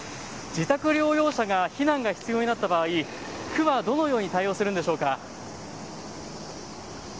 自宅療養者が避難が必要になった場合、区はどのように対応するんでしょうか。